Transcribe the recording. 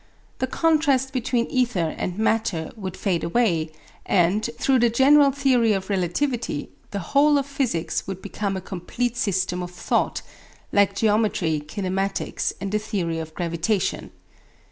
The contrast between ether and matter would fade away, and, through the general theory of relativity, the whole of physics would become a complete system of thought, like geometry, kinematics, and the theory of gravitation.